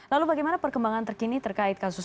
lalu bagaimana perkembangan terkini terkait kasus